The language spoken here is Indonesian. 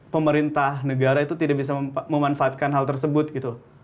pemerintah negara itu tidak bisa memanfaatkan hal tersebut gitu